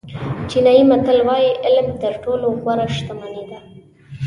چینایي متل وایي علم تر ټولو غوره شتمني ده.